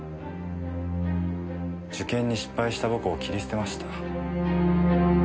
受験に失敗した僕を切り捨てました。